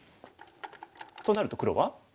となると黒は？